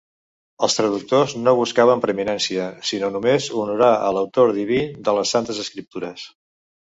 Els traductors no buscaven prominència, sinó només honorar a l'Autor Diví de les Santes Escriptures.